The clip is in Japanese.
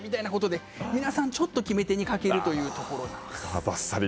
皆さん、ちょっと決め手に欠けるというところなんです。